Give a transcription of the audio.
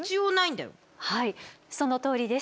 はいそのとおりです。